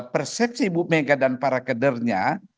persepsi ibu mega dan para kadernya